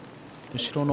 後ろの。